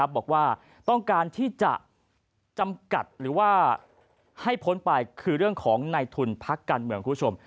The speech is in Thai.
บอกว่าต้องการที่จะจำกัดหรือว่าให้พ้นไปคือเรื่องของในทุนพักการเมืองคุณผู้ชม